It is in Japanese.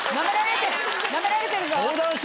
ナメられてるぞ。